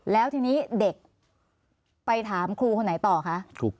แล้วทีนี้เด็กไปถามครูคนไหนต่อคะ